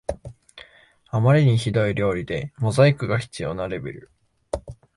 あまりにひどい料理でモザイクが必要なレベル